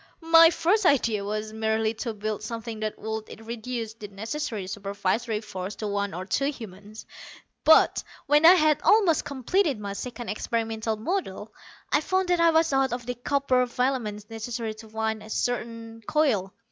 "My first idea was merely to build something that would reduce the necessary supervisory force to one or two humans. But, when I had almost completed my second experimental model, I found that I was out of the copper filaments necessary to wind a certain coil.